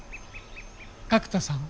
角田さん？